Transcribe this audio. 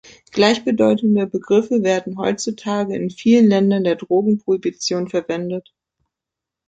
Gleichbedeutende Begriffe werden heutzutage in vielen Ländern der Drogen-Prohibition verwendet.